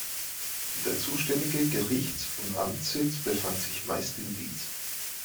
Der zuständige Gerichts- und Amtssitz befand sich meist in Diez.